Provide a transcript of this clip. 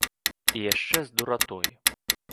І яшчэ з дуратой.